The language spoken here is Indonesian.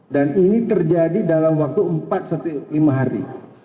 dan ini terjadi dalam waktu empat lima hari